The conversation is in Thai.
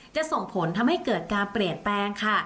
จะส่งผลทำให้เกิดการเปลี่ยนแปลงค่ะ